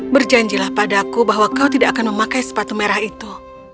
berjanjilah padaku bahwa kau tidak akan memakai sepatu merah itu